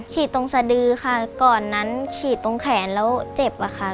ตรงสดือค่ะก่อนนั้นฉีดตรงแขนแล้วเจ็บอะค่ะ